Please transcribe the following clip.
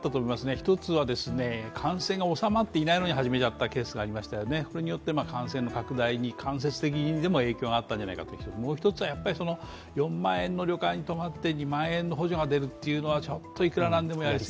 １つは感染が収まっていないのに始めちゃったケースがありましたね、それによって感染の拡大に間接的にも影響があったんじゃないか、もう一つは４万円の旅館に泊まって、２万円の補助が出るというのはちょっといくら何でもやりすぎ。